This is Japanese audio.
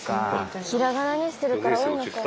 ひらがなにしてるから多いのか。